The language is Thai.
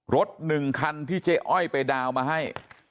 รถ๑คันที่เจ๊อ้อยไปดาวมาให้